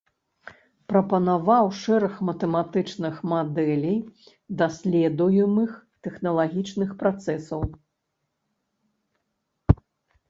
Прапанаваў шэраг матэматычных мадэлей даследуемых тэхналагічных працэсаў.